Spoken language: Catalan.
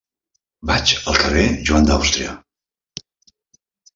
Vaig al carrer de Joan d'Àustria.